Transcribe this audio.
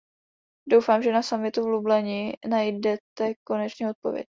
Doufám, že na summitu v Lublani najdete konečně odpověď.